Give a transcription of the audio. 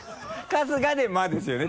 春日で「ま」ですよね？